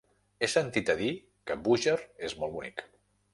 He sentit a dir que Búger és molt bonic.